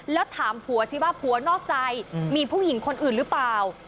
แล้วถามผัวสิว่าผัวนอกใจมีผู้หญิงคนอื่นหรือเปล่า